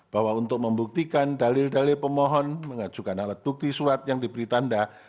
bahwa untuk membuktikan dalil dalil pemohon mengajukan alat bukti surat yang diberi tanda